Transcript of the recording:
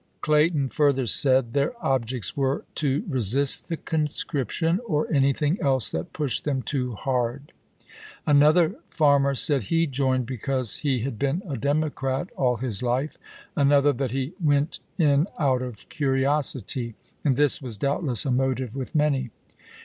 Clayton further said chap. i. their obiects were "to resist the conscription, or Benn '' nil IT Pitiuan, anything else that pushed them too hard." An ^^fj^i^^"^ other farmer said he joined " because he had been ^°^fg"»^ a Democrat all his life "; another, that he " went ^"^^' in out of curiosity" — and this was doubtless a motive with many.